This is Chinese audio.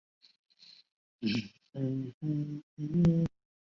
最要好的朋友是同班同学也是从小就认识的毛利兰。